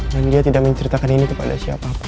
dan dia tidak menceritakan ini kepada siapa siapa